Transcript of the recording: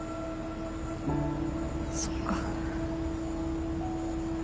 そっか。